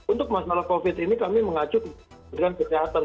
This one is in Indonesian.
untuk masalah covid ini kami mengacu kepada kesehatan